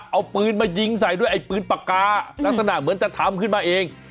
เอาปืนมายิงใส่ด้วยไอ้ปืนปากกาลักษณะเหมือนจะทำขึ้นมาเอง